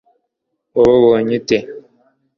wababonye ute